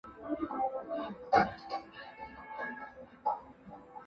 拟岩蕨为鳞毛蕨科鳞毛蕨属下的一个种。